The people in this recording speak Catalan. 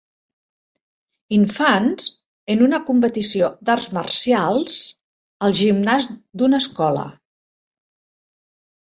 Infants en una competició d'arts marcials al gimnàs d'una escola.